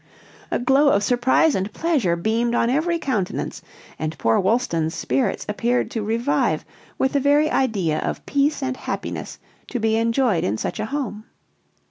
A glow of surprise and pleasure beamed on every countenance, and poor Wolston's spirits appeared to revive with the very idea of peace and happiness to be enjoyed in such a home.